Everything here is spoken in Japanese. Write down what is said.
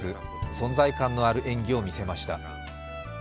存在感のある演技を見せました。